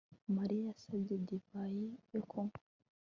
mariya yasabye divayi yo kunywa